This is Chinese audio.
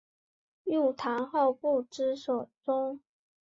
入唐后不知所终。